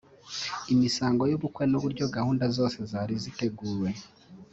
imisango y’ubukwe n’uburyo gahunda zose zari ziteguwe